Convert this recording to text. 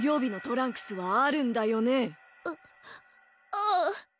ああ。